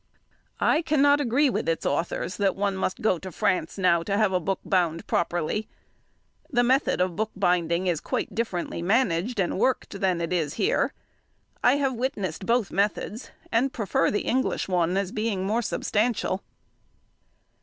I cannot agree with its authors that one must go to France now to have a book bound properly. The method of bookbinding is quite differently managed and worked there than it is here. I have witnessed both methods, and prefer the English one as being more substantial.